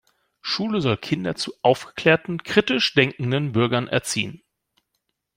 Schule soll Kinder zu aufgeklärten, kritisch denkenden Bürgern erziehen.